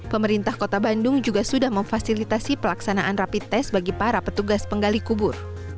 pemerintah kota bandung juga sudah memfasilitasi pelaksanaan rapi tes bagi para petugas penggali kubur